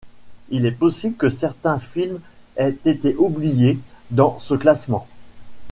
Il est possible que certains films aient été oubliés dans ce classement.